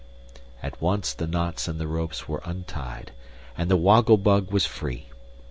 At once the knots in the ropes were untied, and the Woggle Bug was free.